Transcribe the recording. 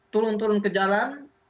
turun turun ke jalan